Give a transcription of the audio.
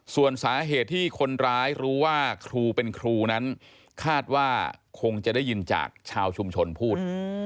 ส่วนสาเหตุที่คนร้ายรู้ว่าครูเป็นครูนั้นคาดว่าคงจะได้ยินจากชาวชุมชนพูด